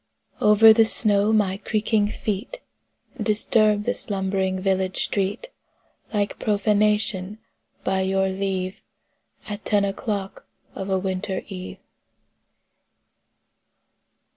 Over the snow my creaking feet Disturbed the slumbering village street Like profanation, by your leave, At ten o'clock of a winter eve.